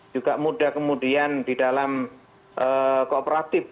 juga mudah kemudian di dalam kooperatif